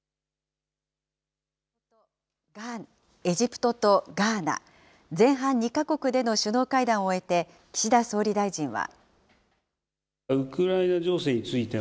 エジプトとガーナ、前半２か国での首脳会談を終えて、岸田総理大臣は。